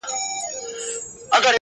• له پسونو تر هوسیو تر غوایانو -